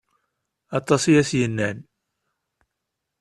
Atas i as-yennan.